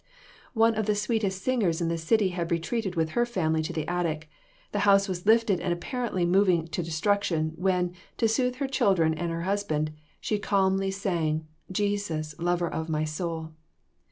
One of the sweetest singers in the city had retreated with her family to the attic; the house was lifted and apparently moving to destruction, when, to soothe her children and her husband, she calmly sang, "Jesus, lover of my soul."